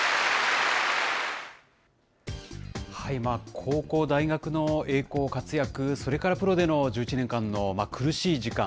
高校、大学の栄光、活躍、それからプロでの１１年間の苦しい時間。